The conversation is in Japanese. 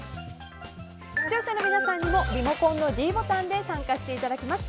視聴者の皆さんにもリモコンのｄボタンで参加していただきます。